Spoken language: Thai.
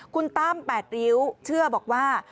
คุณตั้ม๘ริ้วเชื่อบอกว่า